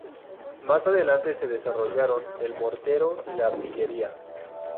Más adelante se desarrollaron el mortero y la artillería.